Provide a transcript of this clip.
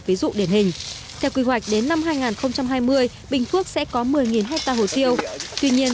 ví dụ điển hình theo quy hoạch đến năm hai nghìn hai mươi bình phước sẽ có một mươi ha hồ siêu tuy nhiên